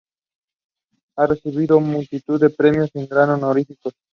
Ha recibido multitud de premios y grados honoríficos.